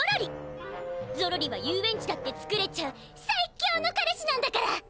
ゾロリは遊園地だって作れちゃうサイキョの彼氏なんだから。